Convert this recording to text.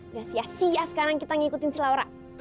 gak sia sia sekarang kita ngikutin si laura